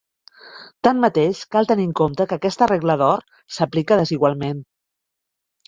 Tanmateix, cal tenir en compte que aquesta regla d'or s'aplica desigualment.